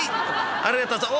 ありがとうおお！